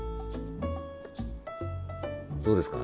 どうですか？